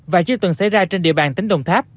và chưa từng xảy ra trên địa bàn tỉnh đồng tháp